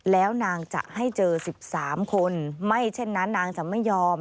แล้วนางจะให้เจอ๑๓คนไม่เช่นนั้นนางจะไม่ยอม